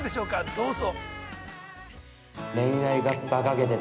どうぞ！